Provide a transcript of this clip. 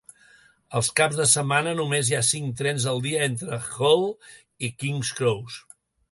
Els caps de setmana, només hi ha cinc trens al dia entre Hull i King's Cross.